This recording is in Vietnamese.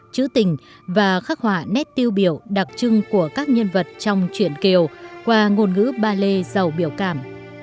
chữ tình và khắc họa nét tiêu biểu đặc trưng của các nhân vật trong chuyện kiều qua ngôn ngữ ba lê giàu biểu cảm